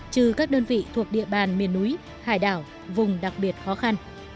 trừ các đơn vị thuộc địa bàn miền núi hải đảo vùng đặc biệt khó khăn